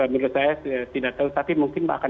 menurut saya tidak tahu tapi mungkin pak akan